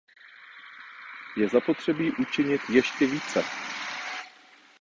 Je zapotřebí učinit ještě více.